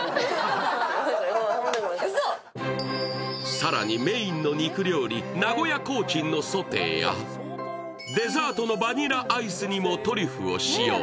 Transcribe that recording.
更にメーンの肉料理名古屋コーチンのソテーやデザートのバニラアイスにもトリュフを使用。